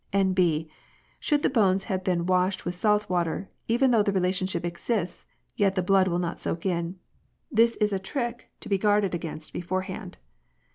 N.B. Should the bones have been washed with salt water, even though the relationship exists, yet the blood will not soak in. This is a trick to be guarded against beforehand.